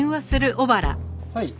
はい。